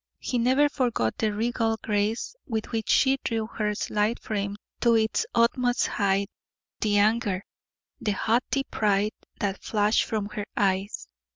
He never forgot the regal grace with which she drew her slight frame to its utmost height, the anger, the haughty pride that flashed from her eyes.